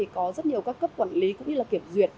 có rất nhiều các cấp quản lý cũng như kiểm duyệt